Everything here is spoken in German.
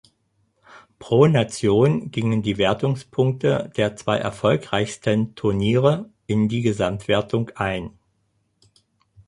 Pro Nation gingen die Wertungspunkte der zwei erfolgreichsten Turniere in die Gesamtwertung ein.